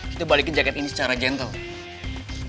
kita balikin jaket ini secara gentle